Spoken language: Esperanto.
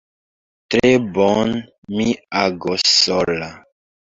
Tre bone: mi agos sola.